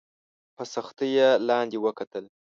په سختۍ یې لاندي وکتل !